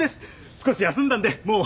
少し休んだんでもう。